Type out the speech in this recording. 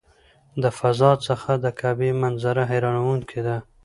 د فضا څخه د کعبې منظره حیرانوونکې ده.